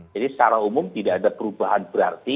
secara umum tidak ada perubahan berarti